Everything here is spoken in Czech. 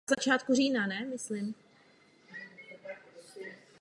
Na jejím vzniku se podílela oblastní rada Misgav.